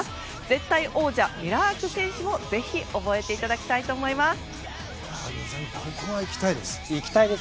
絶対王者ミラーク選手もぜひ覚えていただきたいです。